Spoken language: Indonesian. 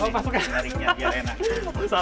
masuk ke sini